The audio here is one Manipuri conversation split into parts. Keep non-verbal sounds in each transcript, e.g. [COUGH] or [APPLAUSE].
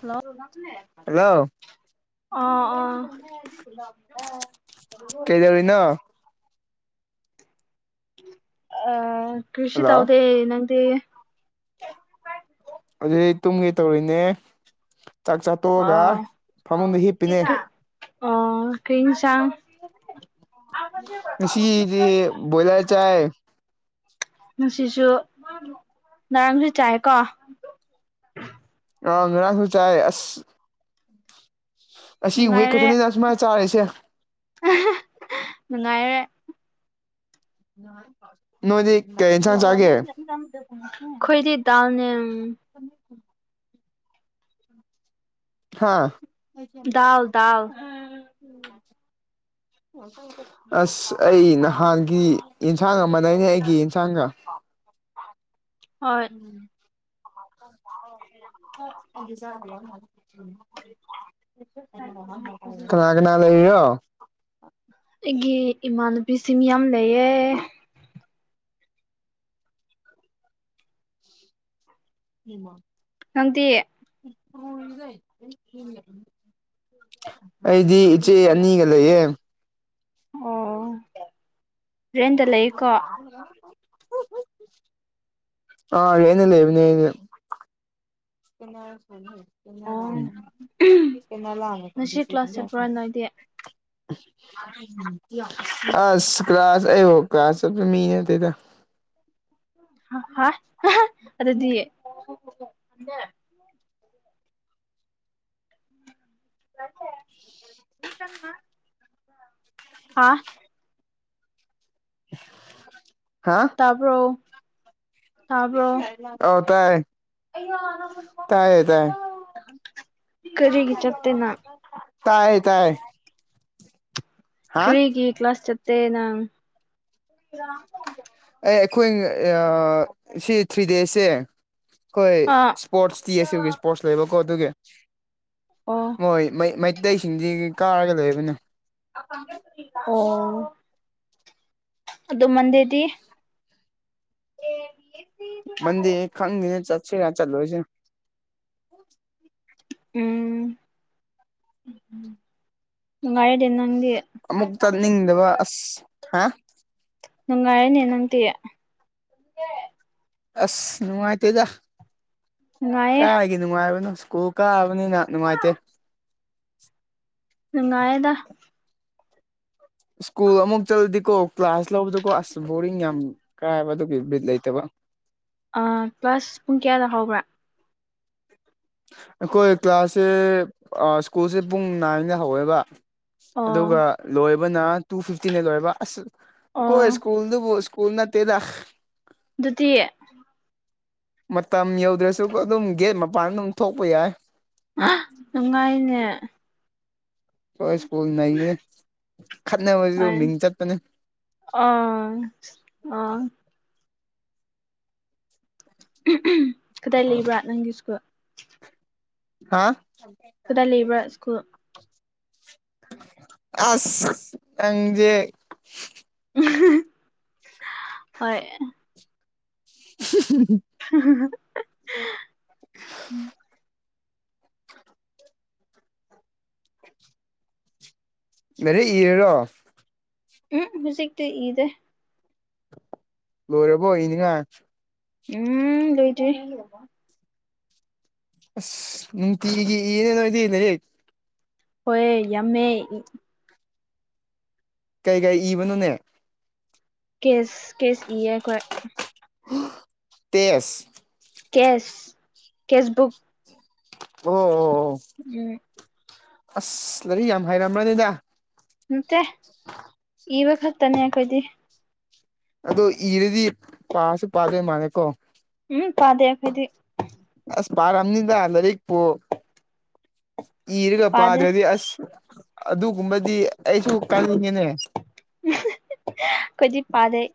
ꯍꯥꯂꯣ ꯍꯜꯂꯣ ꯑꯥ ꯑꯥ ꯍꯥꯂꯣ ꯑ ꯀ꯭ꯔꯤꯁꯨ ꯍꯜꯂꯣ ꯇꯥꯎꯗꯦ ꯅꯪꯗꯤ ꯍꯧꯖꯤꯛ ꯇꯨꯝꯒꯦ ꯇꯧꯔꯤꯅꯦ ꯆꯥꯛ ꯑ ꯆꯥꯇꯣꯛꯑꯒ ꯐꯃꯨꯡꯗ ꯍꯤꯞꯄꯤꯅꯦ ꯑꯣ ꯀꯔꯤ ꯏꯟꯁꯥꯡ ꯉꯥꯁꯤꯗꯤ ꯕꯣꯏꯂꯔ ꯆꯥꯏ ꯉꯁꯤꯁꯨ ꯉꯔꯥꯡꯁꯨ ꯆꯥꯏꯀꯣ ꯑ ꯉꯔꯥꯡꯁꯨꯨ ꯆꯥꯏ ꯑꯁ ꯑꯁꯤ ꯋꯤꯛ ꯅꯨꯡꯉꯥꯏꯔꯦ ꯈꯛꯇꯅꯤꯅ ꯑꯁꯨꯃꯥꯏꯅ ꯆꯥꯔꯤꯁꯦ ꯅꯨꯡꯉꯥꯏꯔꯦ ꯅꯣꯏꯗꯤ ꯀꯩ ꯏꯟꯁꯥꯡ ꯆꯥꯒꯦ ꯈꯣꯏꯗꯤ ꯗꯥꯜꯅꯦ ꯍꯥꯥ ꯗꯥꯜ ꯗꯥꯜ ꯑꯁ ꯑꯩ ꯅꯍꯥꯟꯒꯤ ꯏꯟꯁꯥꯡꯒ ꯃꯥꯅꯩꯅꯦ ꯑꯩꯒꯤ ꯏꯟꯁꯥꯡꯒ ꯍꯣꯏ ꯎꯝ [UNINTELLIGIBLE] [UNINTELLIGIBLE] [UNINTELLIGIBLE] ꯀꯅꯥ ꯂꯩꯔꯤꯔꯣ ꯑꯩꯒꯤ ꯏꯃꯥꯟꯅꯕꯤꯁꯤꯡ ꯌꯥꯝ ꯂꯩꯌꯦ [INAUDIBLE] ꯅꯪꯗꯤ [UNINTELLIGIBLE] ꯑꯩꯗꯤ ꯏꯆꯦ ꯑꯅꯤꯒ ꯂꯩꯌꯦ ꯑꯣ ꯔꯦꯟꯗ ꯂꯩꯀꯣ [INAUDIBLE] ꯑꯥ [UNINTELLIGIBLE] ꯂꯩꯕꯅꯦ ꯑꯩꯗꯤ ꯀꯅꯥꯒ ꯁꯥꯟꯅꯩ ꯉꯁꯤ ꯀ꯭ꯂꯥꯁ ꯆꯠꯄ꯭ꯔꯥ ꯅꯣꯏꯗꯤ [INAUDIBLE] ꯑꯁ ꯀ꯭ꯂꯥꯁ ꯑꯩꯕꯨ ꯀ꯭ꯂꯥꯁ ꯆꯠꯄꯥ ꯃꯤ ꯅꯠꯇꯦꯗꯥ [UNINTELLIGIBLE] ꯑꯗꯨꯗꯤ [UNINTELLIGIBLE] ꯍꯥꯥ ꯍꯥ ꯇꯥꯕ꯭ꯔꯣ ꯇꯥꯕ꯭ꯔꯣ ꯑꯧ ꯇꯥꯏ ꯇꯥꯏꯌꯦ ꯇꯥꯏ ꯀꯔꯤꯒꯤ ꯆꯠꯇꯦ ꯅꯪ ꯇꯥꯏ ꯇꯥꯏ ꯍꯥ ꯀꯔꯤꯒꯤ ꯀ꯭ꯂꯥꯁ ꯆꯠꯇꯦ ꯅꯪ ꯑꯦ ꯑꯩꯈꯣꯏ [UNINTELLIGIBLE] ꯁꯤ ꯊ꯭ꯔꯤ ꯗꯦꯖꯁꯦ ꯑꯩꯈꯣꯏ ꯑꯥ ꯏꯁꯄꯣꯔꯠꯁ ꯇꯤ ꯑꯁ ꯒꯤ ꯏꯁꯄꯣꯔꯠꯁ ꯂꯩꯕꯀꯣ ꯑꯗꯨꯒꯤ ꯑꯣ ꯃꯣꯏ ꯃꯩ ꯃꯩꯇꯩꯁꯤꯡꯗꯤ ꯀꯥꯔꯒ ꯂꯩꯕꯅꯦ ꯑꯣ ꯑꯗꯨ ꯃꯟꯗꯦꯗꯤ ꯃꯟꯗꯦ ꯈꯪꯗꯦ ꯆꯠꯁꯤꯔꯥ ꯆꯜꯂꯣꯏꯁꯤꯔꯥ ꯎꯝ ꯅꯨꯉꯥꯏꯗ ꯅꯪꯗꯤ ꯀꯥꯅꯤꯡꯗꯕ ꯑꯁ ꯍꯥ ꯅꯨꯡꯉꯥꯏꯔꯦꯅꯦ ꯅꯪꯗꯤ ꯑꯁ ꯅꯨꯉꯥꯏꯇꯦꯗꯥ ꯅꯨꯡꯉꯥꯏꯌꯦ ꯀꯥꯏ ꯒꯤ ꯅꯨꯡꯉꯥꯏꯕꯅꯣ ꯁ꯭ꯀꯨꯜ ꯀꯥꯕꯅꯤꯅ ꯅꯨꯡꯉꯥꯏꯇꯦ ꯅꯨꯡꯉꯥꯏꯑꯦꯗ ꯁ꯭ꯀꯨꯜ ꯑꯃꯨꯛ ꯆꯠꯂꯗꯤꯀꯣ ꯀ꯭ꯂꯥꯁ ꯂꯧꯕꯗꯀꯣ ꯑꯁ ꯕꯣꯔꯤꯡ ꯌꯥꯝ ꯀꯥꯏꯕ ꯑꯗꯨꯒꯤ ꯕꯤꯠ ꯂꯩꯇꯕ ꯑꯥ ꯀ꯭ꯂꯥꯁ ꯄꯨꯡ ꯀꯌꯥꯗ ꯍꯧꯕ꯭ꯔꯥ ꯑꯩꯈꯣꯏ ꯀ꯭ꯂꯥꯁꯁꯦ ꯁ꯭ꯀꯨꯜꯁꯦ ꯄꯨꯡ ꯅꯥꯏꯟꯗ ꯍꯧꯋꯦꯕ ꯑꯣ ꯑꯗꯨꯒ ꯂꯣꯏꯕꯅ ꯇꯨ ꯐꯤꯐꯇꯤꯅ ꯂꯣꯏꯕ ꯑꯁ ꯑꯣ ꯑꯩꯈꯣꯏ ꯁ꯭ꯀꯨꯜꯗꯨꯕꯨ ꯁ꯭ꯀꯨꯜꯅꯠꯇꯦꯗ ꯑꯗꯨꯗꯤ ꯃꯇꯝ ꯌꯧꯗ꯭ꯔꯁꯨ ꯑꯗꯨꯝ ꯒꯦꯠ ꯃꯄꯥꯟ ꯑꯗꯨꯝ ꯊꯣꯛꯄ ꯌꯥꯏ ꯅꯨꯡꯉꯥꯏꯅꯦ ꯍꯣꯏ ꯁ꯭ꯀꯨꯜ ꯅꯩꯕꯅꯤ ꯈꯠꯅꯕꯁꯨ ꯃꯤꯡ ꯆꯠꯄꯅꯦ ꯑꯥ ꯑ ꯀꯗꯥꯏ ꯂꯩꯕ꯭ꯔꯥ ꯅꯪꯒꯤ ꯁ꯭ꯀꯨꯜ ꯍꯥ ꯀꯗꯥꯏ ꯂꯩꯕ꯭ꯔꯥ ꯁ꯭ꯀꯨꯜ ꯑꯁꯪꯖꯦ ꯍꯣꯏ [UNINTELLIGIBLE] ꯎ [INAUDIBLE] ꯃꯅꯦ ꯏꯔꯔꯣ ꯎꯝ ꯍꯖꯤꯛꯇꯗꯤ ꯏꯗꯦ ꯂꯣꯏꯔꯕ ꯏꯅꯤꯉ ꯎꯝ ꯂꯣꯏꯇꯦ ꯑꯁ ꯤ ꯌꯦꯅꯦ ꯅꯣ ꯏꯗꯔꯤ ꯍꯣꯏ ꯌꯥꯝꯃꯦ ꯀꯩ ꯀꯩ ꯏꯕꯅꯣꯅꯦ ꯀꯦꯁ ꯀꯦꯁ ꯏꯌꯦ ꯑꯩꯈꯣꯏ ꯇꯁ ꯀꯦꯁ ꯀꯦꯁꯕꯨꯛ ꯑꯣ ꯑꯣ ꯑꯣ ꯎꯝ ꯑꯁ ꯂꯥꯏꯔꯤꯛ ꯌꯥꯝ ꯍꯥꯏꯔꯝꯕ꯭ꯔꯅꯦꯗ ꯃꯠꯇꯦ [INAUDIBLE] ꯏꯕ ꯈꯛꯇꯅꯦ ꯑꯩꯈꯣꯏꯗꯤ ꯑꯗꯣ ꯏꯔꯗꯤ ꯄꯥꯁꯨ ꯄꯥꯗꯣꯏ ꯃꯥꯜꯂꯀꯣ ꯎꯝ ꯐꯥꯗꯦ ꯑꯩꯈꯣꯏꯗꯤ ꯑꯁ ꯔ ꯌꯥꯝꯝꯅꯤꯗ ꯂꯔꯦꯛ ꯄꯣ ꯏꯔꯒ ꯄꯥꯗꯦ ꯄꯥꯗ꯭ꯔꯗꯤ ꯑꯁ ꯑꯗꯨꯒꯨꯝꯕꯗꯤ ꯑꯩꯁꯨ ꯀꯥꯏꯅꯤꯡꯉꯦꯅꯦ ꯈꯨꯗꯤ ꯄꯥꯗꯩ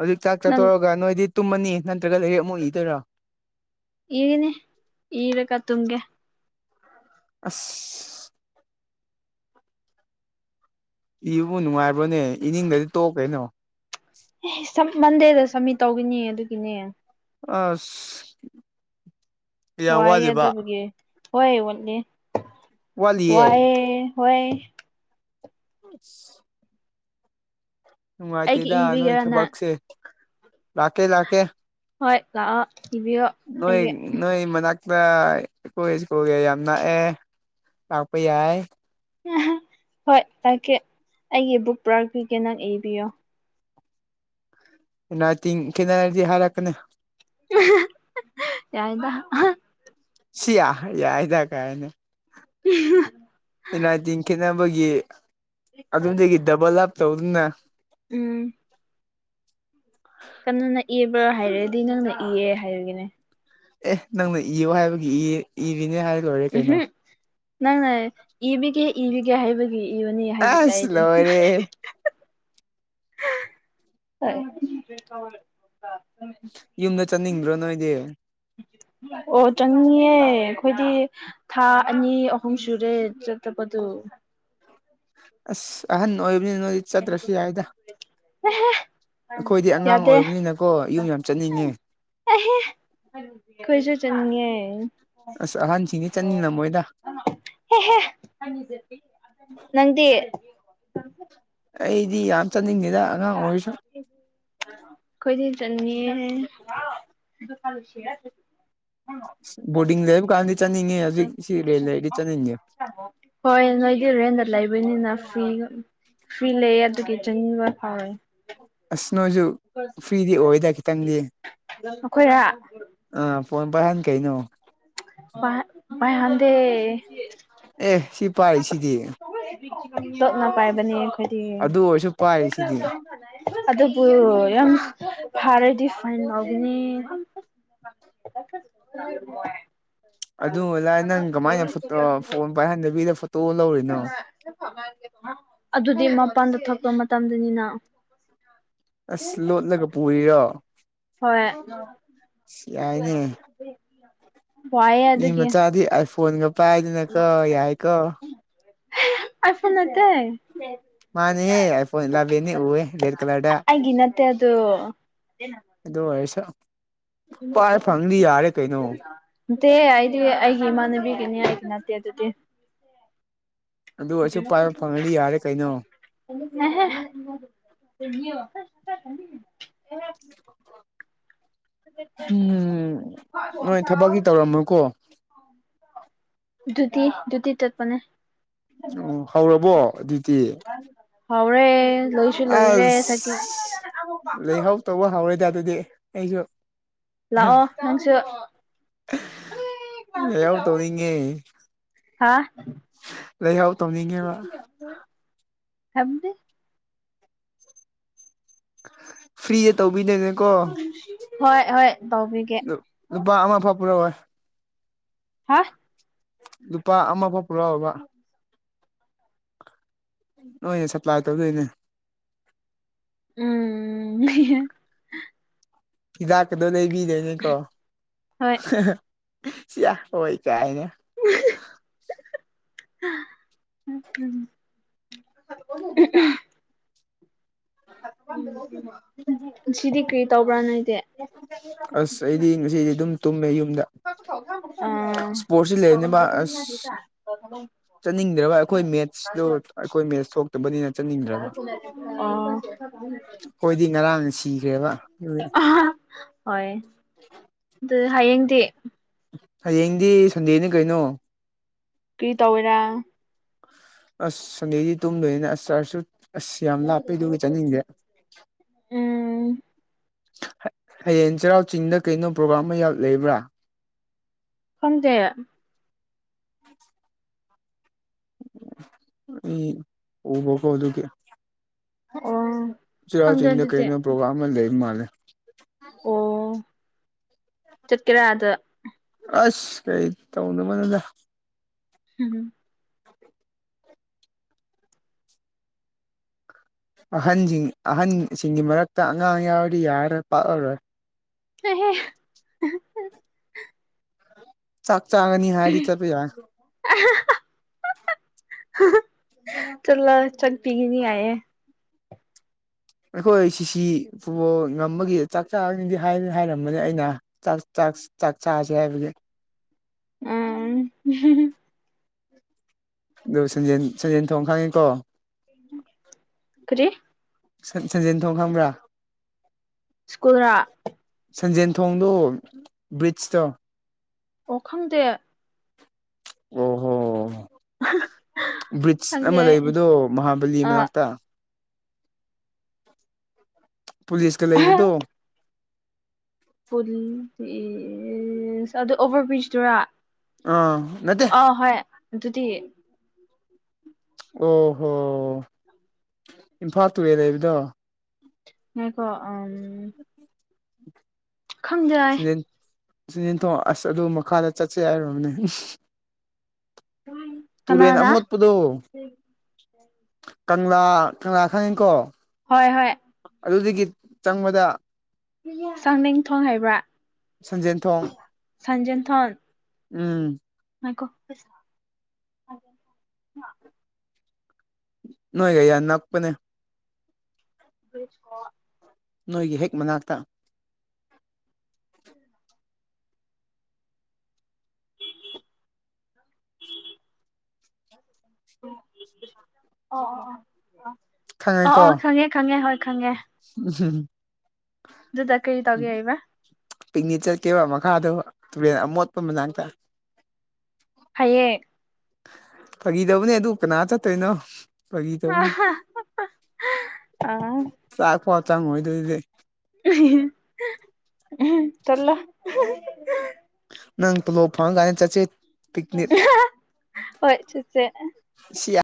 ꯍꯧꯖꯤꯛ ꯆꯥꯛ ꯅꯪ ꯆꯥꯠꯇꯧꯔꯒ ꯅꯣꯏꯗꯤ ꯇꯨꯝꯃꯅꯤ ꯅꯠꯇ꯭ꯔꯒ ꯂꯩꯔꯛ ꯑꯃꯨꯛ ꯏꯗꯣꯏꯔꯣ ꯏꯅꯦ ꯏꯂꯀ ꯇꯝꯦ ꯑꯁ ꯏꯕꯨ ꯅꯨꯡꯉꯥꯏꯕ꯭ꯔꯣꯅꯦ ꯏꯅꯤꯡꯗꯗꯤ ꯇꯣꯛ ꯀꯩꯅꯣ ꯑꯦ ꯁ ꯃꯟꯗꯦꯗ ꯁꯃꯤꯠ ꯇꯧꯈꯤꯅꯤ ꯑꯗꯨꯒꯤꯅꯦ ꯑ ꯋꯥꯏ ꯑꯗꯨꯕꯨꯒꯤ ꯍꯣꯏ ꯑꯣꯠꯂꯤ ꯋꯥꯠꯂꯤꯌꯦ ꯋꯥꯏꯑꯦ ꯍꯣꯏ ꯑ ꯑꯩꯒꯤ ꯅꯨꯡꯉꯥꯏꯇꯦꯗ ꯅꯣꯏ ꯏꯕꯤꯒꯦꯔꯥ ꯅꯪ ꯊꯕꯛꯁꯦ ꯂꯥꯛꯀꯦ ꯂꯥꯛꯀꯦ ꯍꯣꯏ ꯂ ꯇꯤꯚꯤ ꯅꯣꯏ ꯅꯣꯏꯣꯏ ꯃ ꯗ ꯏꯀꯣꯏ ꯏꯀꯨꯒꯤ ꯌꯥꯝ ꯅꯥꯛꯑꯦ ꯂꯥꯛꯄ ꯌꯥꯏ ꯍꯣꯏꯀꯦ ꯑꯩꯒꯤ ꯕꯨꯛ ꯄꯨꯔꯛꯄꯤꯒꯦ ꯅꯪ ꯏꯕꯤꯌꯣ ꯇꯤꯡ ꯈꯦꯅꯔꯗꯤ ꯍꯥꯏꯔꯛꯀꯅꯤ ꯌꯥꯏꯗ ꯁꯤ ꯌꯥ ꯌꯥꯏꯗ ꯀꯥꯏꯅ ꯎ [INAUDIBLE] ꯑꯦꯅꯥ [INAUDIBLE] ꯑꯥꯏꯇꯤꯟ ꯈꯦꯟꯅꯕꯒꯤ ꯑꯗꯨꯝꯗꯒꯤ ꯗꯕꯜ ꯂꯥꯞ ꯇꯧꯗꯨꯅ ꯎꯝ ꯀꯅꯥꯅ ꯏꯕ꯭ꯔꯥ ꯍꯥꯏꯔꯗꯤ ꯅꯪꯅ ꯏꯑꯦ ꯍꯥꯏꯕꯤꯒꯦꯅꯦ ꯑꯦ ꯅꯪꯅ ꯏꯌꯣ ꯍꯥꯏꯕꯒꯤ ꯏꯌꯦ ꯏꯔꯤꯅꯦ ꯍꯥꯏ ꯂꯣꯏ ꯎꯝꯍꯨꯝ ꯅꯪꯅ ꯏꯕꯤꯒꯦ ꯏꯕꯤꯒꯦ ꯍꯥꯏꯕꯒꯤ ꯏꯕꯅꯤ ꯍꯥꯏꯕꯤꯕ ꯑꯁ ꯑꯩꯗꯤ ꯂꯣꯏꯔꯦ [INAUDIBLE] ꯑ ꯎꯝ [INAUDIBLE] ꯌꯨꯝꯗ ꯆꯠ ꯅꯤꯡꯗ꯭ꯔꯣ ꯅꯣꯏꯗꯤ ꯑꯣ ꯆꯪꯅꯤꯡꯉ‌ꯦ ꯑꯩꯈꯣꯏꯗꯤ ꯊꯥ ꯑꯅꯤ ꯑꯍꯨꯝ ꯁꯨꯔꯦ ꯆꯠꯇꯄꯗꯨ ꯑꯁ ꯑꯍꯟ ꯑꯣꯏꯕꯅꯤ ꯅꯣꯏ ꯆꯠꯇ꯭ꯔꯁꯨ ꯌꯥꯏꯗ ꯑꯩꯈꯣꯏꯗꯤ ꯑꯉꯥꯡ ꯌꯥꯗꯦ ꯑꯣꯏꯕꯅꯤꯅꯀꯣ ꯌꯨꯝ ꯌꯥꯝ ꯆꯠꯅꯤꯡꯉꯦ ꯈꯣꯏꯁꯨ ꯆꯠꯅꯤꯡꯉ‌ꯦ ꯑꯁ ꯑꯍꯟꯁꯤꯡꯅꯤ ꯆꯠꯅꯤꯡꯉꯝꯃꯣꯏꯗ ꯍꯦ ꯍꯦ ꯅꯪꯗꯤ ꯑꯩꯗꯤ ꯌꯥꯝ ꯆꯠꯅꯤꯡꯗꯦꯗ ꯑꯉꯥꯡ ꯑꯣꯏꯔꯁꯨ ꯈꯣꯏꯗꯤ ꯆꯠꯅꯤꯡꯉ‌ꯦ ꯕꯣꯔꯗꯤꯡ ꯂꯩꯕ ꯀꯥꯟꯗꯗꯤ ꯆꯠꯅꯤꯡꯉꯦ ꯁꯤ ꯂꯩꯗꯤ ꯆꯠꯅꯤꯡꯗꯦ ꯍꯣꯏ ꯅꯣꯏꯗꯤ ꯔꯦꯟꯗ ꯂꯩꯕꯅꯤꯅ ꯐ꯭ꯔꯤ ꯐ꯭ꯔꯤ ꯂꯩꯌ‌ꯦ ꯑꯗꯨꯒꯤ ꯆꯪꯅꯤꯡꯕ ꯐꯥꯎꯋꯦ ꯑꯁ ꯅꯣꯢꯁꯨ ꯐꯔꯤꯗꯤ ꯑꯣꯏꯗ ꯈꯤꯇꯪꯗꯤ ꯑꯩꯈꯣꯏꯔ ꯑꯥ ꯐꯣꯟ ꯄꯥꯏꯍꯟ ꯀꯩꯅꯣ ꯄꯥꯏꯍꯥꯟꯗꯦ ꯑꯦ ꯁꯤ ꯄꯥꯏꯔꯤꯁꯤꯗꯤ ꯂꯣꯠꯅ ꯄꯥꯏꯕꯅꯦ ꯑꯩꯈꯣꯏꯗꯤ ꯑꯗꯨ ꯑꯣꯏꯔꯁꯨ ꯄꯥꯏꯔꯤꯁꯤꯗꯤ ꯑꯗꯨꯕꯨ ꯌꯥꯝ ꯐꯥꯔꯦꯗꯤ ꯐꯥꯏꯟ ꯑꯣꯏꯒꯅꯤ [INAUDIBLE] ꯑꯗꯨ ꯂꯥꯏ ꯅꯪ ꯀꯃꯥꯏꯅ ꯐꯣꯟ ꯄꯥꯏꯍꯟꯗꯕꯤꯗ ꯂꯧꯔꯤꯅꯣ ꯑꯗꯨꯗꯤ ꯃꯄꯥꯟꯗ ꯊꯛꯄ ꯃꯇꯝꯗꯅꯤꯅ ꯑꯁ ꯂꯣꯠꯂꯒ ꯄꯨꯔꯤꯔꯣ ꯍꯣꯏ ꯁꯤ ꯌꯥꯏꯅꯦ ꯋꯥꯏꯌꯦ ꯃꯤ ꯑꯗꯨꯒꯤ ꯃꯆꯥꯗꯤ ꯑꯥꯢꯐꯣꯟꯒ ꯄꯥꯏꯗꯅ ꯀ‌ꯣ ꯌꯥꯏ ꯀ‌ꯣ ꯑꯦ ꯑꯥꯢ ꯐꯣꯜ ꯅꯠꯇꯦ ꯃꯥꯅꯦ ꯍꯦ ꯑꯥꯢ ꯐꯣꯟ ꯢꯂꯤꯕꯦꯗ ꯎꯨꯢꯍꯦ ꯕꯔꯦꯛ ꯀꯥꯂꯔꯗ ꯃ ꯑꯗꯨ [INAUDIBLE] ꯑꯗꯣ ꯑꯩꯁ ꯄꯥꯏ ꯐꯪꯗꯤ ꯌꯥꯔꯦ ꯀꯩꯅꯣ ꯅꯠꯇꯦ ꯑꯩꯗꯤ ꯑꯩꯒꯤ ꯏꯃꯥꯟꯅꯕꯤꯒꯤꯅꯤ ꯍꯥꯏꯗꯤ ꯅꯠꯇꯦ ꯑꯗꯨꯗꯤ ꯑꯗꯨ ꯑꯩꯁꯨ ꯄꯥꯏꯕ ꯐꯪꯉꯅꯤ ꯌꯥꯔꯦ ꯀꯩꯅꯣ [INAUDIBLE] ꯎꯝ ꯅꯣꯏ ꯊꯕꯛꯀꯤ ꯇꯧꯔꯝꯃꯣꯢꯀꯣ ꯑꯗꯨꯗꯤ ꯑꯗꯨꯒꯤ ꯇꯠꯄꯅꯦ ꯎꯝ ꯍꯧꯔꯕꯣ ꯑꯗꯨꯗꯤ ꯍꯧꯔꯦ ꯂꯣꯏꯁꯨ ꯂꯣꯏꯔꯦ ꯆꯠꯀꯦ ꯑꯁ ꯂꯩꯍꯧ ꯇꯧꯕ ꯍꯧꯔꯦꯗꯦ ꯑꯗꯨꯗꯤ ꯑꯩꯁꯨ ꯂꯥꯛꯑꯣ ꯅꯪꯁꯨ ꯂꯩꯍꯧ ꯍꯥꯥ ꯂꯩꯍꯥꯎ ꯇꯧꯅꯤꯡꯉꯦꯕ ꯊꯖ ꯐ꯭ꯔꯤꯗ ꯇꯧꯕꯤꯗꯣꯏ ꯅꯦꯀꯣ ꯍꯣꯏ ꯍꯣꯏ ꯇꯧꯕꯤꯒꯦ ꯂꯨꯞ ꯂꯨꯄꯥ ꯑꯃ ꯐꯥꯎ ꯄꯨꯔꯛꯑꯣꯏ꯫ ꯍꯥ ꯂꯨꯄꯥ ꯑꯃ ꯐꯥꯎ ꯄꯨꯔꯛꯑꯣꯕ꯫ ꯅꯣꯏꯅ ꯁꯞꯄ꯭ꯂꯥꯏ ꯇꯧꯗꯣꯏꯅꯦ꯫ ꯎꯝ ꯍꯤꯗꯥꯛꯀꯗꯣ ꯂꯩꯕꯤꯗꯣꯏꯅꯦꯀꯣ ꯍꯣꯏ ꯍꯥꯍꯥ ꯁꯤꯌꯥ ꯍꯣꯏ ꯀꯥꯏꯅ꯫ [UNINTELLIGIBLE] ꯎꯝ ꯎꯝ ꯎꯝ ꯎꯝ ꯎꯝ ꯉꯁꯤꯗꯤ ꯀꯔꯤ ꯇꯧꯕ꯭ꯔꯥ ꯅꯣꯏꯗꯤ꯫ ꯑꯁ ꯑꯩꯗꯤ ꯉꯁꯤꯗꯤ ꯑꯗꯨꯝ ꯇꯨꯝꯃꯦ ꯌꯨꯝꯗ꯫ ꯑꯥ ꯁꯄꯣꯔꯠꯁꯤ ꯂꯩꯕꯅꯦꯕ ꯑꯁ ꯀꯔꯈꯂꯣꯡ ꯆꯠꯅꯤꯡꯗ꯭ꯔꯕ ꯑꯈꯣꯏ ꯃꯦꯠꯁꯇꯣ ꯑꯈꯣꯏ ꯃꯦꯠꯁ ꯊꯣꯛ ꯇꯨꯕꯅꯤꯅ ꯆꯠꯅꯤꯡꯗ꯭ꯔꯕ ꯑꯣ ꯍꯣꯏꯗꯤ ꯉꯔꯥꯡꯅ ꯁꯤꯈ꯭ꯔꯦꯕ꯫ ꯎꯌꯦ ꯍꯣꯏ ꯑꯗꯨ ꯍꯌꯦꯡꯗꯤ꯫ ꯎꯝ ꯍꯌꯦꯡꯗꯤ ꯁꯟꯗꯦꯅꯤ ꯀꯩꯅꯣ꯫ ꯀꯔꯤ ꯇꯧꯋꯦꯔꯥ ꯑꯁ ꯁꯟꯗꯦꯗꯤ ꯇꯨꯝꯗꯣꯏꯅꯤꯅ ꯑꯁ ꯆꯔꯁꯁꯨ ꯑꯁ ꯌꯥꯝ ꯂꯥꯄꯦ ꯗꯨꯒꯤ ꯆꯠꯅꯤꯡꯗꯦ꯫ ꯎꯝ ꯍ ꯍꯌꯦꯡ ꯆꯩꯔꯥꯎ ꯆꯤꯡꯗ ꯀꯩꯅꯣ ꯄ꯭ꯔꯣꯒꯥ꯭ꯔꯝ ꯑꯃ ꯌ ꯂꯩꯕ꯭ꯔꯥ? ꯈꯪꯗꯦ ꯎꯝ [INAUDIBLE] ꯎ ꯏ ꯎꯕꯀꯣ ꯑꯗꯨꯒꯤ ꯑꯣ ꯆꯩꯔꯥꯎ ꯈꯪꯗꯦ ꯆꯤꯡꯗ ꯑꯗꯨꯗꯤ ꯀꯩꯩꯅ ꯄꯔꯣꯒ꯭ꯔꯝ ꯑꯃ ꯂꯩꯕ ꯃꯥꯂꯦ꯫ ꯑꯣ ꯆꯠꯀꯦꯔꯥ ꯑꯗ ꯑꯁ ꯀꯩ ꯇꯧꯅ ꯕꯅꯗ ꯎꯝ ꯑꯍꯟꯖꯤꯡ ꯑꯍꯟ ꯁꯤꯡꯒꯤ ꯃꯔꯛꯇ ꯑꯉꯥꯡ ꯌꯥꯎꯔꯗꯤ ꯌꯥꯔꯔꯣꯏ ꯄꯛꯑꯔꯣꯏ꯫ ꯑꯩꯍꯦ ꯆꯥꯛ ꯆꯥꯒꯅꯤ ꯍꯥꯏꯔꯗꯤ ꯆꯠꯄ ꯌꯥꯏ꯫ ꯍꯥ ꯍꯥ ꯑ ꯑꯥ ꯍꯥ ꯍꯥ ꯆꯠꯂꯣ ꯆꯠꯄꯤꯒꯅꯤ ꯍꯥꯏꯌꯦ꯫ ꯑꯩꯈꯣꯏ ꯁꯤꯁꯤ ꯐꯨꯠꯕꯣꯜ ꯉꯝꯕꯒꯤ ꯆꯥꯛ ꯆꯥꯅꯤꯗꯤ ꯍꯥꯏꯗꯤ ꯍꯥꯏꯔꯝꯕꯅꯤ ꯑꯩꯅ꯫ ꯆꯥꯛ ꯆꯥꯛ ꯁ ꯆꯥꯛ ꯆꯥꯁꯦ ꯍꯥꯏꯕꯅꯦ꯫ ꯎꯝ ꯍꯨꯝ ꯍꯨꯝ ꯑꯗꯨ ꯁꯟꯖꯦꯟ ꯁꯟꯖꯦꯜ ꯊꯣꯡ ꯈꯪꯉꯤꯀꯣ꯫ ꯎꯝ ꯀꯔꯤ ꯁꯟ ꯁꯟꯖꯦꯟ ꯊꯣꯡ ꯈꯪꯕ꯭ꯔꯥ? ꯁ꯭ꯀꯨꯜꯔ ꯁꯟꯖꯦꯟ ꯊꯣꯡꯗꯣ ꯕ꯭ꯔꯤꯖꯇꯣ ꯑꯣ ꯈꯪꯗꯦ꯫ ꯕ꯭ꯔꯤꯗꯖ ꯈꯪꯗꯦ ꯑꯃ ꯑꯩ ꯂꯩꯕꯗꯣ ꯃꯍꯥꯕꯂꯤ ꯑꯥ ꯃꯅꯥꯛꯇ꯫ ꯄꯨꯂꯤꯁꯀ ꯂꯩꯕꯗꯣ꯫ ꯄꯨꯟ ꯏ ꯌꯦ ꯁ ꯑꯗꯨ ꯑꯣꯚꯔ ꯕ꯭ꯔꯤꯗꯖꯇꯨꯔꯥ꯫ ꯑ ꯅꯠꯇꯦ꯫ ꯑ ꯍꯣꯏ ꯑꯗꯨꯗꯤ ꯑꯣ ꯍꯣ ꯏꯝꯐꯥꯜ ꯇꯨꯔꯦꯜ ꯂꯩꯕꯗꯣ꯫ ꯉꯥꯏꯈꯣ ꯑꯝ [INAUDIBLE] ꯁꯦꯟ ꯊꯣꯡ ꯑꯁ ꯑꯗꯨ ꯃꯈꯥꯗ ꯆꯠꯁꯦ ꯍꯥꯏꯔꯔꯕꯅꯦ ꯇꯨꯔꯦꯟ ꯀꯅꯥꯅ ꯑꯃꯣꯠ ꯑꯗꯣ ꯀꯪꯂꯥ ꯀꯪꯂꯥ ꯈꯪꯉꯤꯀꯣ ꯍꯣꯏ ꯍꯣꯏ ꯑꯗꯨꯗꯒꯤ ꯆꯪꯕꯗ ꯆꯥꯛꯅꯤꯡ ꯊꯣꯡ ꯍꯥꯏꯕ꯭ꯔꯥ ꯁꯟꯖꯦꯟ ꯊꯣꯡ ꯁꯟꯖꯦꯟꯊꯣꯟ ꯎꯝ ꯉꯥꯏꯈꯣ ꯅꯣꯏꯒ ꯌꯥꯝ ꯅꯥꯛꯄꯅꯦ ꯄꯨꯁꯀꯣ ꯅꯣꯏꯒꯤ ꯍꯦꯛ ꯃꯅꯥꯛꯇ ꯎꯝ [INAUDIBLE] [INAUDIBLE] ꯑꯣ ꯑꯣ ꯑꯣ ꯑꯣ ꯑꯣ ꯈꯪꯉꯦ ꯈꯪꯉꯦ ꯍꯣꯏ ꯈꯪꯉꯦ ꯎ [UNINTELLIGIBLE] ꯑꯗꯨꯗ ꯀꯩ ꯇꯒꯦ ꯍꯥꯏꯕ ꯄꯤꯛꯅꯤꯛ ꯆꯠꯀꯦꯕ ꯃꯈꯥꯗꯣ ꯇꯨꯔꯦꯟ ꯑꯃꯣꯠꯄ ꯃꯅꯥꯛꯇ ꯍꯥꯏꯌꯦ ꯐꯥꯒꯤ ꯇꯧꯕꯅꯦ ꯑꯗꯨ ꯀꯅꯥ ꯆꯠꯇꯣꯏꯅꯣ ꯀꯒꯤ ꯇꯧꯕꯅꯦ ꯑꯥ ꯆꯥꯛꯄ ꯆꯪꯉꯣꯏꯗꯣꯏꯗꯤ ꯎꯝ ꯆꯠꯂꯣ ꯅꯪ ꯇꯣꯂꯣꯞ ꯐꯡꯉꯒꯥ ꯆꯠꯁꯦ ꯄꯤꯛꯅꯤꯛ ꯍꯣꯏ ꯆꯠꯁꯦ ꯁꯤꯌꯥ